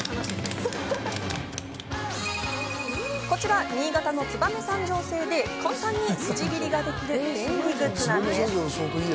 こちら新潟の燕三条製で簡単にすじ切りができる便利グッズなんです。